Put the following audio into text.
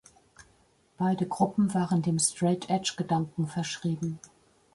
Beide Gruppen waren dem Straight-Edge-Gedanken verschrieben.